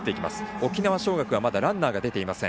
沖縄尚学はまだランナーが出ていません。